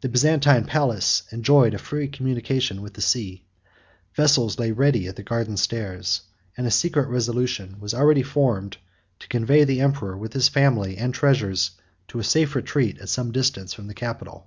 The Byzantine palace enjoyed a free communication with the sea; vessels lay ready at the garden stairs; and a secret resolution was already formed, to convey the emperor with his family and treasures to a safe retreat, at some distance from the capital.